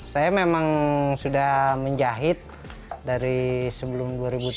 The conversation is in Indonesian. saya memang sudah menjahit dari sebelum dua ribu tujuh belas